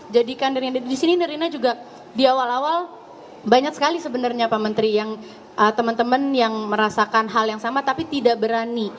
jadikan dari sini nerina juga di awal awal banyak sekali sebenarnya pak menteri yang teman teman yang merasakan hal yang sama tapi tidak berani